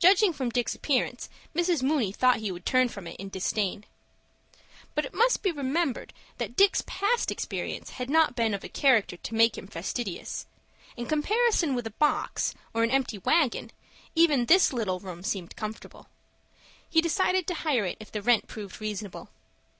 Judging from Dick's appearance, Mrs. Mooney thought he would turn from it in disdain. But it must be remembered that Dick's past experience had not been of a character to make him fastidious. In comparison with a box, or an empty wagon, even this little room seemed comfortable. He decided to hire it if the rent proved reasonable.